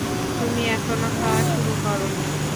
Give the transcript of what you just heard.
তুমি এখনও খাওয়া শুরু করোনি।